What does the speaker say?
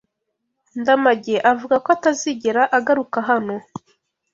Ndamage avuga ko atazigera agaruka hano.